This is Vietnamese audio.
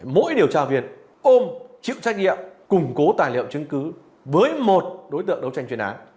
mỗi điều tra việt ôm chịu trách nhiệm củng cố tài liệu chứng cứ với một đối tượng đấu tranh chuyên án